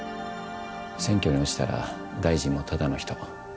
選挙に落ちたら大臣もただの人。